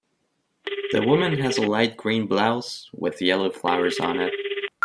The woman has a light green blouse with yellow flowers on it